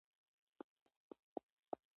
د ولس غږ ځواک دی